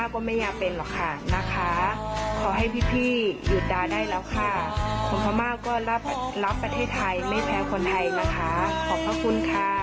อ่ะก็นี่เป็นแรงงานเมียนมากอีกหลายคน